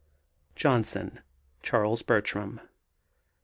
JOHNSON, CHARLES BERTRAM.